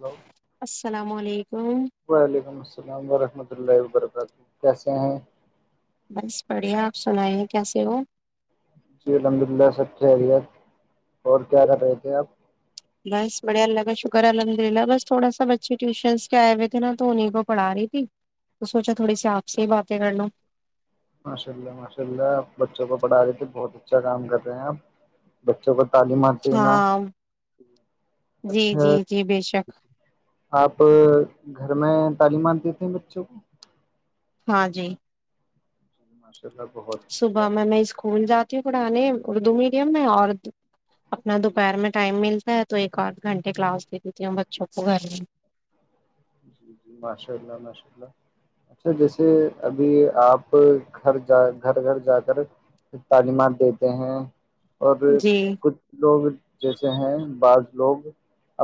Hello السلام علیکم وعلیکم السلام ورحمۃ اللہ وبرکاتہ کیسے ہیں بس بڑھیا آپ سنائی ہیں کیسے ہو جی الحمد للہ سبچے ابت اور کیا کر رہے تھے آپ بس بڑے اللہ کا شکر الحمد للہ بس تھوڑا سا بچے ٹیوشنس کے آئے ہوئے تھے نا تو انہیں کو پڑھا رہی تھی تو سوچا تھوڑی سی آپ سے ہی باتیں کر لو ماشاء اللہ ماشاء اللہ آپ بچوں کو پڑھا دیتے بہت اچھا کام کر رہے ہیں آپ بچوں کو تعلیمات دینا ہاں جی اچھا جی جی بے شک آپ گھر میں تعلیمان دیتے ہیں بچوں کو ہاں جی [unintelligible] شکریہ صبح میں میں اسکول جاتی ہوں پڑھانے اردو میڈیم میں اور اپنا جی دوپہر میں ٹائم ملتا میں تو ایک آدھ گھنٹے کلاس د دیتی ہوں بچوں کو گھر میں جی جی ماشاء اللہ ماشاء اللہ اچھا جیسے ابھی آپ گھر جا گھر گھر جا کر تعلیمات دیتے ہیں اور جی کچھ لوگ جیسے ہیں بض لوگ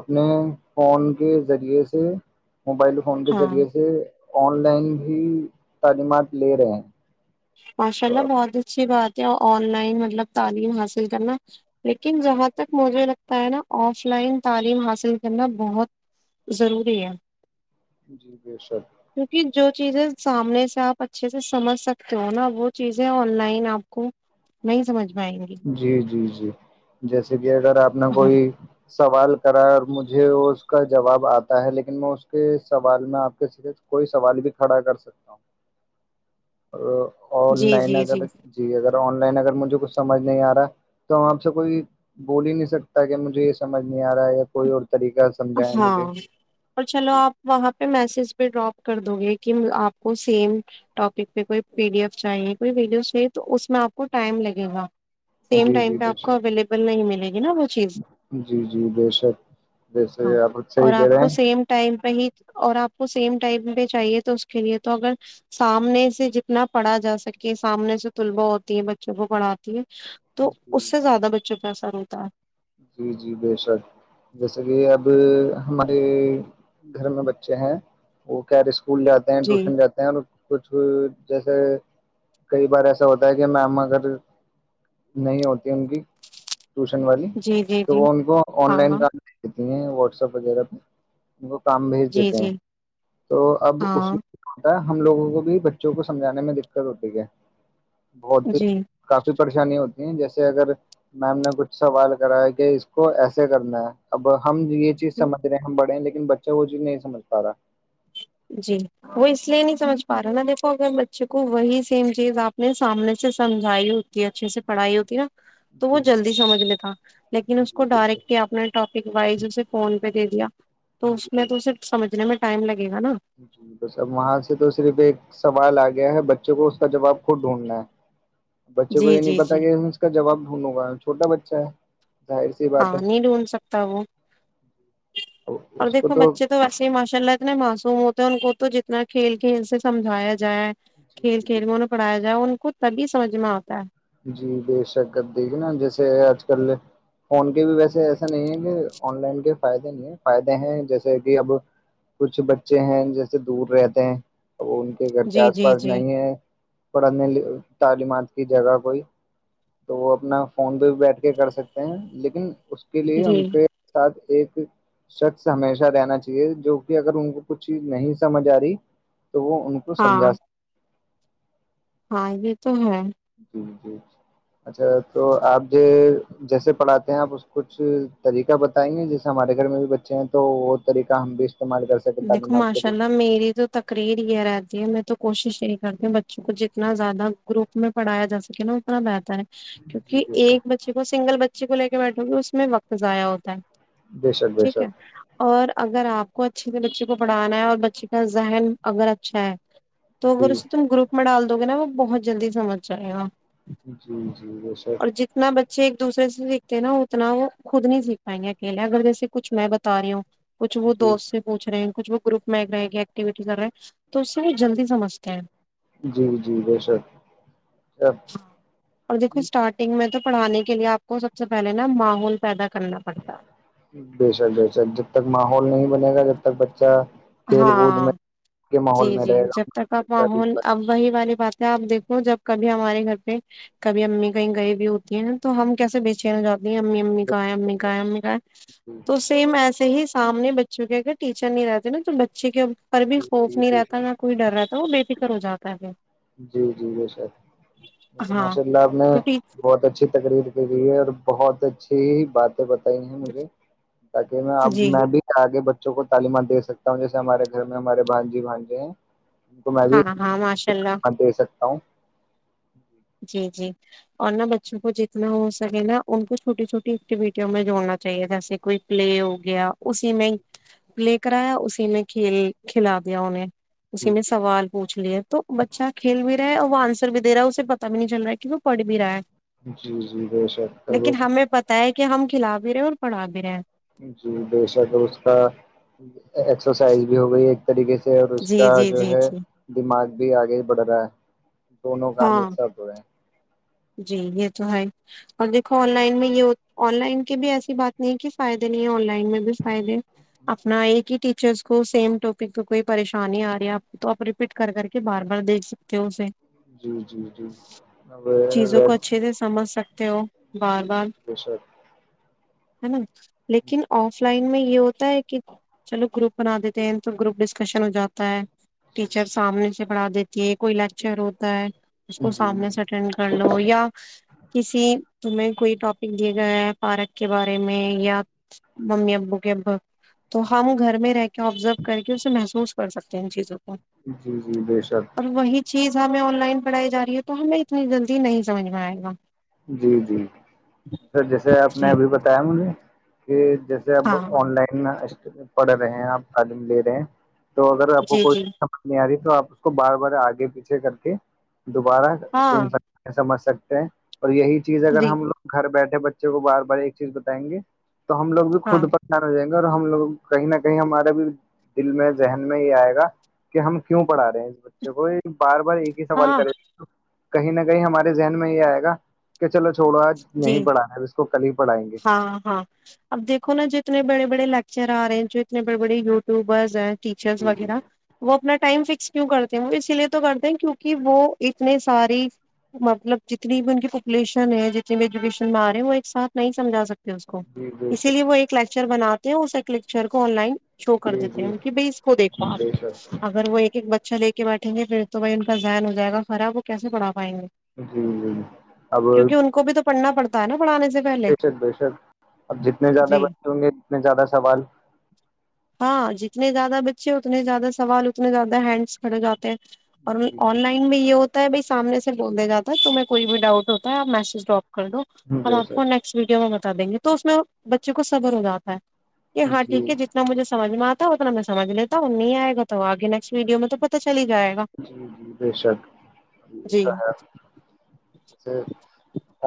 اپنے فون کے ذریعے سے موبائل فون کے ہاں ذریعے سے آن لائن بھی تعلیمات لے رہے ہیں ماشاء تو اللہ آپ بہت اچھی بات آن لائن مطلب تعلیم حاصل کرنا لیکن جہاں تک مجھے لگتا ہے نا آف لائن تعلیم حاصل کرنا بہت ضروری ہے جی بے شر کیونکہ جو چیزیں سامنے سے آپ اچھے سے سمجھ سکتے ہو نا وہ چیزیں آن لائن آپ کو نہیں سمجھ پائیں گی جی جی جی جی جیسے یہ اگر آپ نے ہاں کوئی سوال کرا اور مجھے اس کا جواب آتا ہے لیکن میں اس کے سوال میں آپ کے صرے کوئی سوال بھی کھڑا کر سکتا ہوں اور اور جی نائ ن جی جی اگر جیے گا آن لن اگر مجے کچ سمجھ نہیں آ رہا تو آپ سے کوئی بول ہی نہیں سکتا کہ مجھے یہ سمج نہیں آ رہا ہے یا کوئی اور طریقہ سمجھائے ہاں مجھے اور چلو آپ وہاں پہ میسج بھی ڈراپ کر دو گے کہ آپ کو سیم ٹاپک پہ کوئی پی ڈی ایف چاہیے کوئی ویڈیوز چاہیے تو اس میں آپ کو ٹائم لگے گا سیم جی ٹائم جی پہ بے آپ کو شک اویلیبل نہیں ملے گی نا وہ چیز جی جی بے شک ہاں جیسے آپ اور صحیح کہہ آپ رہے کو ہیں سیم ٹائم پہ ہی اور آپ سیم ٹائم پہ چاہیے تو اس کے لیے تو اگر سامنے سے جتنا پڑھا جا سکے سامنے سے طلباء ہوتی ہے بچوں کو پڑھاتی ہے تو جی اس سے زیادہ بچے چک سر ہوتا ہے جی جی بےشک جیسے کہ اب ہمارے گھر میں بچے ہیں وہ کہ اسکول جاتے ہیں جی ٹیوشن جاتے ہیں اور کچھ جیسے کئی بار ایسا ہوتا ہے کہ میم اگر نہیں ہوتی ان کی ٹیوشن والی جی جی تو جی وہ ان کو آن لائن ہاں کرنا ہیں واٹسپ وغیرہ پہ ان کو کام بھیج جی دیتے ہیں جی تو اب اس ہاں میں تھا ہم لوگوں کو بھی بچوں کو سمجھانے میں دقت ہوتی ہے بہت ہی جی کافی پریشانی ہوتی جیسے اگر میم نے کچھ سوال ا ہے کہ اس کو ایسے کرنا ہے اب ہم یہ چیز سمجھ رہے ہم بڑے ہیں لیکن بچے وہ جی نہیں سمجھ پا رہا جی وہ اس لیے نہیں سمجھ پا رہا نا دیکھو اگر بچے کو وہی سیم چیز آپ نے سامنے سے سمجھائی ہوتی ہے اچھے سے پڑھائی ہوتی ہے نا تو وہ جی جلدی سمجھ میںتا لیکن اس جی کو بالکل ڈائریکٹلی آپ نے ٹاپک وائز اسے فون پہ دے دیا تو جی اس میں تو اسے سمجھنے میں ائم لگ گا نا جی تو اب وہاں سے تو صرف ایک سوال آ گیا ہے بچوں کو اس کا جواب خود ڈھونڈنا ہے بچے کو جی یہ نہیں جی جی پتا کہ اس کا جواب وںگا چھوٹا بچہ ہے ظاہر سی بات ہاں ہے نہیں ڈھونڈ سکتا وہ اور اس کو دیکھو بچے تو ویسے ہی ماشاء اللہ اتنے معصوم ہوتا ان کو تو جتنا کھیل کھیل سے سمھایا جائے کھیل کھیل میں انہیں پڑھایا جائے ان کو تبھی سمجھ میں آتا ہے جی بے شک اب دیکھیے نا جیسے آج کل فون کے بھی ویسے ایسا نہیں ہے کہ آن لائن کے فائدے نہیں ہے فائدے ہیں جیسے کہ اب کچھ بچے ہیں جیسے دور رہتے ہیں ا وہ ان کے گھر کے جی آس جی پاس جی نہیں ہے پڑھانے تعلیمات کی جگہ کوئی تو وہ اپنا فون پہ بھی بیٹھ کے کر سکتے ہیں لیکن اس کے لیے جی ان کے ساتھ ایک شخص ہمیشہ رہنا چاہیے جو کہ اگر ان کو کچھ چیز نہیں سمجھ آ رہی تو وہ ان کو ہاں سمجھا سکتے ہاں یہ تو ہے جی جی اچھا تو آپ ج جیسے پڑھاتے ہیں آپ اس کچھ طریقہ بتائیں گے جیسے ہمارے گھر میں بھی بچے ہیں تو وہ طریقہ ہم بھی استعمال کر سکیں دیکھو تعلیمات کے ماشاء لیے اللہ میری تو تکریر ہی ہے ر میں تو کوشش یہی کرتی ہوں بچوں کو جتنا زیادہ گروپ میں پڑھیا جا سکے نا اتنا بہتر ہے جی کیونکہ بے شک ایک بچے کو سنگل بچے کو لے کے بیٹھو گے اس میں وقت ضائع ہوتا ہے بے شک بے ٹھیک ہے شک اور اگر آپ کو اچھے سے بچے کو پڑھانا ہے اور بچے کا ذہن اگر اچھا ہے تو گرو جی سے ت گوپ ما [unintelligible] توگ نا وہ بہت جلدی سمجھ جائے گا جی جی ویسے چ ایک دوسر سے سیکھتے ہیں نا اتنا وہ خود نہیں سیکھ پائیں گے اکیلے اگر جیسے کچھ میں بتا رہی ہوں کچھ وہ جی دوست سے کچھ وہ گروپ میں رہے ایکٹیوٹی کر رہے ہیں تو اس سے وہ جلدی سمجھتے ہیں جی جی بےشک کیا پڑانے کے لیے آپ کو سب سے پہلے نا ماحول پیدا کر بے شک بے شک جب تک ماحول نہیں ب ا جب تک بچ ہاں ماحول جی میں جی رہے جب تک آپ گا ماحول اب وہی والی بات آپ دیکھو جب کبھی ہمارے گھر پہ کبھی امی کہیں گئی بھی ہوتی ہیں تو ہم کیسے بیچینا چاہتے ہیں امی امی کہاں ہے امی کہا ہے امی کہ ہے تو صے میں ایسے ہی سامنے بچوں کے اگر ٹیچر نہیں رہتا ج نا ج بچے کے [unintelligible] جی خوف جی نہیں بے رہتا شر نہ کوئی ڈر رہتا وہ بے فکر ہو جاتا ہے پھر۔ جی جی بے شر جیے ہاں ماشاء اللہ آپ نے تو ٹھیک بہت اچھی تقریر کی دی ہے اور بہت اچھی ہی بات پت ہی ہے مجھے تاکہ میں اب جی میں بھی آگے ب کو تعمات دے سکتا ہوں جیے ہمارے گھر میں ہمارے بانجی بھانجے ہیں ہاں ہاں ماشاء اللہ ہاں دے سکتا ہوں جی جی اور نہا بچوں کو جتنا ہو سکے نا ان کو چھوٹی چھوٹی ایکٹیویٹیوں میں جوڑنا چاہیے جیسے کوئی پلے ہو گیا اسی میں پلے کرایا اسی میں کھیل کھلا دیا انہیں اسی جی میں جی سوال پوچھ لیاے تو بچہ کھیل بھی رہے اور وانسی بھی دے رہا اسے پک تب بھی نہیں چل رہا ہے وہ پڑ بھی رہا ہے جی جی بے شک تب لیکن ہمیں پتا ہے کہ ہم کھلا بھی رہے ہیں اور پڑا بھی رہے ہیں جی بشک اس کا ایکسرسائز بھی ہو گئی ہے طریقے سے اور اس جی کا جی جو جی ہے جی دماغ بھی آگے بڑھ رہا ہے دونوں گم ایک ہاں سب جو ہے جی یہ تو ہے اور دیکھو آن لائن میں یہ آن لائن کے بھی ایسی بات نہیں کہ فائدے نہیں آن لائن بھی فائدے ہیں اپنا ایک ہی ٹیچر کو سیم ٹاپک کو کوئی پریشانی آ رہی ہے آپ کو تو آپ ریپیٹ کر کر کے بار بار دیکھ سکتے ہو اسے جی جی جی چیزوں کو اچھے سے سمجھ سکتے ہو بار بار بے شک ہوں لیکن آف لائن میں یہ ہوتا ہے کہ چلو گروپ بنا دیتے ہیں تو گروپ ڈسکشن ہو جاتا ہے ٹیچر سامنے پڑھا دیتی ہے کوئی لیکچر ہوتا ہے اس کو جی سامنے سٹینڈ کر لو یا کسی تمہیں کوئی ٹاپک دیاے گیا ہے پارک کے بارے میں یا ممی ابو کے ابو تو ہم گھر میں رہ کے آبزرو کر کے اسے محسوس کر سکتے ان چیزوں کو جی جی بے شک اور وہی چیز ہمیں آن لائن پڑائی ج رہی ہے تو ہمیں اتنی جلدی جی نہیں سمج میں آئے گا جی جی سر جیسے آپ نے جی ابھی بتایا مجھے کہ جیسے اب ہاں آن لائن پڑھ رہے ہیں آپ تعلیم لے رہے ہیں تو اگر آپ کو جی کوئی جی سمج نہیں آ رہی تو آپ اس کو بار بار آگے پیچھے کر کے دوبارہ سن ہاں سکتے ہیں سمجھ سکتے [inaudible] اور یہی چیز اگر جی ہم گھر بیٹھے بچے کو بار بار ایک چیز بتائیں گے تو ہم لوگ بھی ہاں خود پریشان ہو جائیں گے ہم لوگ کہیں نہ کہیں ہمارے بھی دل میں ذہن میں یہ آئے گا کہ ہم کیوں پڑھا رہے ہیں اس بچے کو بارار بار ایک ہی سوال ہاں کرے کہیں نہ کہیں ہمارے ذہن میں یہ آئے گا کہ چلو چھوڑو آج نہیں جی پڑھانا ہے اس کو کل ہی پڑھائیں گے ہاں ہاں اب دیکھو نا جتنے بڑے بڑے عقے لیکچر آ رہے ہیں جو اتنے بڑے بڑے یوٹیوبرس ہیں ٹیچرس جی جی وغیرہ وہ اپنا ٹائم فکس کیوں کرتے ہیں وہ اسی لیے تو کرتے ہیں کیونکہ وہ اتنے ساری مطلب جتنی بھی ان کی پاپولیشن ہے جی ایجوش مار رہ ہو سات نہیں سمجھا سکتے کو جی بے اسی لیے وہ ایکس چر بناتے ہیں اس ایک لییکچر کو آن لائن شو شک کر جی دیتے جی ہیں کہ بھائی اس کو دیکھو آپ بے شک اگر وہ ایک ایک بچہ لے کے بیھٹیں گے پھر تو وہ ان کا ذہن ہو جائےا خرا وہ کیسے پڑا جی جی اب کیونکہ ان کو بھی تو پڑنا پڑتا ہے نا پڑھانے سے بے پہلے شک بے شک اب جتنے زیادہ جی بچے ہوں گے اتنے زیادہ سوال ہاں جتنے زیادہ بچے ہو اتنے زیادہ سوال اتنے زیادہ ہینڈس کڑے جاتے اور جی آن جی لائن بھی یہ ہو بھائی سامنے سے بول جاتا ہے تمہ کوئی بھی ڈاؤ ہوتا ہےپ میسج ڈراپ کر مک آب بے آپ کو شک نیکسٹ ویڈو م دیں گے تو اس میں بچے کو صبر ہو جاتا ہے کہ ہاں جی ٹھیک ہے جیس مھےمج میں آتا اتنا میں سمج لیتا ہ اور نہیں آئے گا تو آگے نیکسٹ ویڈیو میں تو پتا چل ہی جائے گا جی جی بے شک یہ جی تو ہےے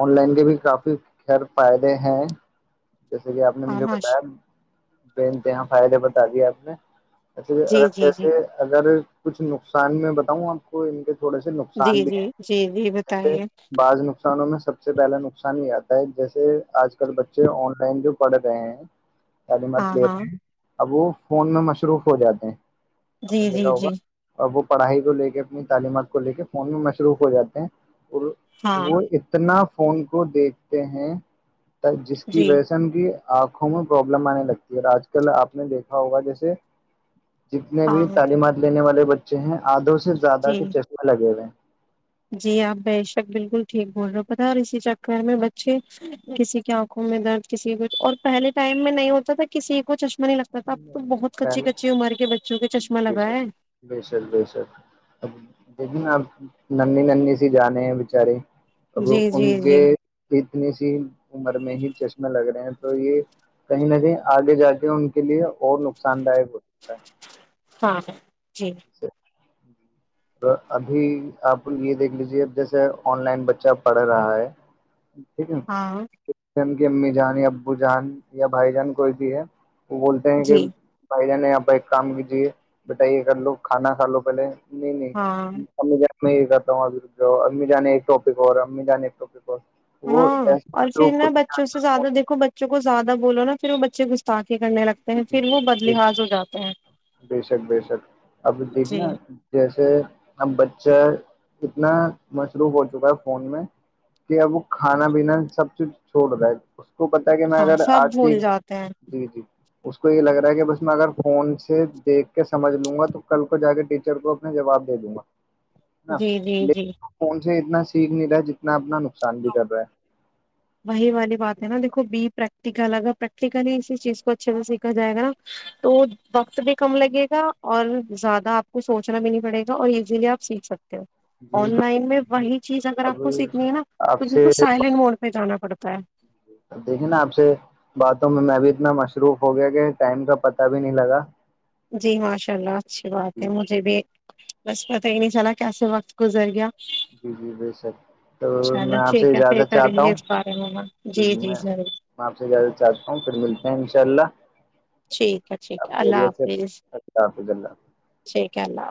آن لائن کے بھی کافی خیر فائدے ہیں جیسے کہ آپ نے ہاں مجھے ماش بتایا ب اتنے یہاں فائدے بتا دیے آپ نے جسے اگر جی جی جی جیسے اگر کچھ نہیں ہو شان میں بتاؤں آپ کو ان کے تھوڑے سے جی نقصان بھی ہیں جی جی جی جیسے بتائیے بعض نقصانوں میں سب سے پہلا نقصان ہی آتا ہے جیسے آج کل بچے آن لائن جو پڑھ رہے ہیں ہاں تعلیمات لے ہاں رہ ہیں اب وہ فون میں مصروف ہو جاتے ہیں جی جی جی ا وہ پڑھائی کو لے کے اپنی تعلیمات کو لے کے فون میں مصروف ہو جاتے ہیں ہاں وہ اتنا فون کو دیکھتے ہیں جس کی جی وسن کی آنکھوں میں پروابلم آنے لگتی ہے اور آج کل آپ نے دیکھا ہوگا جیسے جتنے بھی ہاں تعلیمات لینے والے بچے ج ہیں آدھوں سے زیادہ جی کے چشمے لگے ہوئے ہیں جی آپ بے شک بالکل ٹھیک بول رہے ہو پتا اور اسی چکر میں بچے کسی کے آنکھوں میں درد کسی کچھ اور پہلے ٹائم میں نہیں ہوتا تھا کسی کچھ نہیں لگتا تھا اب تو ہیں بہت کچی پہلے کچی عمر کے بچوں کے چشمہ بے لگاائے شک جیکن آپ ننی نی سے جانے ہیں بچارے اب جی ان جی کے جی اتنی سی عمر میں ہی چشمے لگ رہے ہیں تو یہ کہیں نہ کہیں آگے جا کے ان کے لیے اور نقصان دوئق ہاں جی تو ابھی آپ یہ دیکھ لیجئے جیسے آن لائن بچہ پڑھ رہا ہے ہاں [unintelligible] کہ امی جان یا ابو جان یا بھائی جان کوئی بھی ہے وہ بولتے ہیں کہ جی بھائی جان بھائی ایک کام کیجیے بتائیے کر لو کھانا کھ لو پہلے [unintelligible] نہیں نہیں ہاں میں یہ کرتا ہوں ابھی رک جاؤ امی جان ایک ٹاپک اور امی جانے ایک ٹاپک اور وہ ہاں اور پھر نہ بچوں سے زیادہ دیکھو بچوں کو زیادہ بولو نہ پھر وہ بچے گھستا جی جی جی بے جاتے ہیں شک بے شک بے شک اب دیکھنا جی جیسے ہم بچے اتنا مصروف ہو چکا ہے فون میں کہ اب وہ کھانا پینا سب چز چھوڑ رہا ہے اس آ کو پتا ہے کہ میں ہاں اگر سب اتے ہی بھول جاتے ہیں جی جی اس کو یہ لگ رہا ہے کہ بس میں اگر فون سے دیکھ کے سمجھ لوں گا تو کل کو جا کے ٹیچر کو اپنے جواب دے دوں گا جی جی جی جی اتنا سیکھ نہیں رہا جتنا اپنا نقصان بھی کر رہا ہے وہی والی بات ہے نا دیکھو بی پریکٹیکل اگر پریکٹیکلی اسی چیز کو اچھے سے سیکھا جائے گا نا تو وقت بھی کم لگے گا اور زیادہ آپ کو سوچنا بھی نہیں پڑے گا اور ایزیلی آپ سیکھ سکتے ہو ہے جی آن لائن میں وہی چیز اگر آپ اب کو سیکھنی ہے نا تو بالکل سائلنٹ موڈ پہ جانا پڑتا ہے دیکھے نا آپ سے باتوں میں میں بھی اتنا مصروف ہو گیا کہ ٹائم کا پت بھی نہیں لگا جی ماشاء اللہ اچھی بات ہے جی مجھے بھی بس پتہ ہی نہیں چلا کیسے وقت گزر گیا جی جی بے شک تو انشاء میں اللہ آپ سے ٹھیک ہے پھر اجازت کریں چاہتا گے ہوں اس بارے میں بات۔ جی جی میں ضرور آپ سے اجازت چاہتا ہوں پھر ملتے ہیں انشاء اللہ ٹھیک ہے ٹھیک ہے آپ اللہ خیریت سے حافظ اللہ حافظ اللہ ٹھیک کیالا